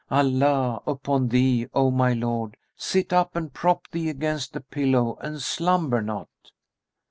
Allah upon thee, O my lord, sit up and prop thee against the pillow and slumber not!"